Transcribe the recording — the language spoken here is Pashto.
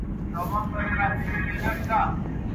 o مشره زه يم کونه د دادا لو ده.